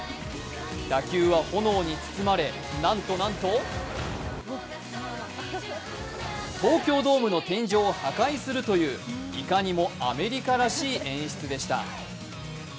打球は炎に包まれなんとなんと東京ドームの天井を破壊するといういかにもアメリカらしい演出でした。